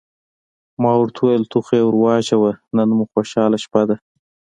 ما ورته وویل: ته خو یې ور واچوه، نن مو خوشحاله شپه ده.